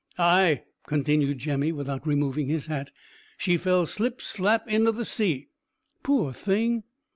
"Ay," continued Jemmy, without removing his hat, "she fell slip slap into the sea." "Poor thing."